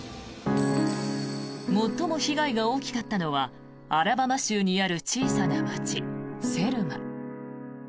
最も被害が大きかったのはアラバマ州にある小さな街セルマ。